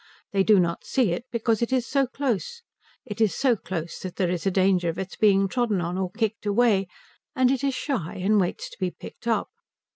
They do not see it because it is so close. It is so close that there is a danger of its being trodden on or kicked away. And it is shy, and waits to be picked up.